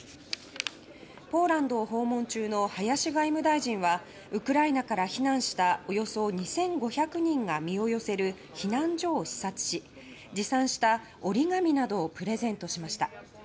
ポーランドを訪問中の林外務大臣はウクライナから避難したおよそ２５００人が身を寄せる避難所を視察し持参した折り紙などをプレゼントしました。